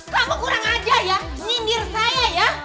kamu kurang ajar ya nyindir saya ya